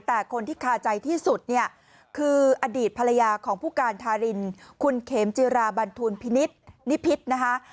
แต่คนที่คาใจที่สุดเนี่ยคืออดีตภรรยาของผู้การทารินคุณเขมจิราบันทูลพินิษฐ์นิพิษนะคะ